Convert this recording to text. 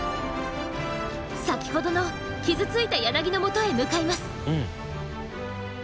先ほどの傷ついたヤナギのもとへ向かいます。